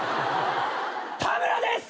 田村です！